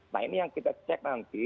nah ini yang kita cek nanti